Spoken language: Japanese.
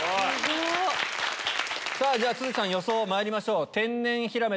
さぁ都筑さん予想まいりましょう。